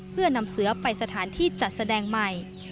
เพื่อนำเสือไปสถานที่จัดแสดงใหม่